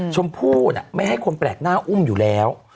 ชมพู่ไม่ให้คนแปลกหน้าอุ้มอยู่แล้ว